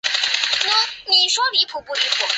瓦拉市是瑞典西部西约塔兰省的一个自治市。